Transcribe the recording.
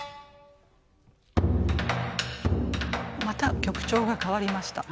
また曲調が変わりました。